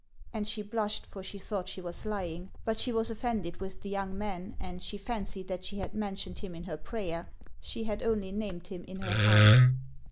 And she blushed, for she thought she was lying; but she was offended with the young man, and she fancied that 56 HANS OF ICELAND. she had mentioned him in her prayer; she had only named him in her heart.